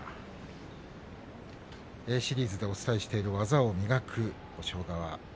シリーズでお伝えしている「技を磨く」